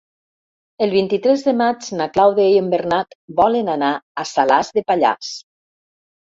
El vint-i-tres de maig na Clàudia i en Bernat volen anar a Salàs de Pallars.